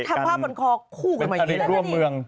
เตะกันเป็นตะลีร่วมเมืองเป็นตะลีร่วมเมือง